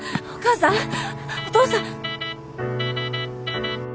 お母さん？